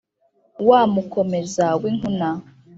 wa mukomeza w’inkuna